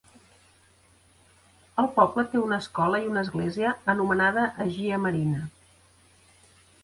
El poble té una escola i una església anomenada Agia Marina.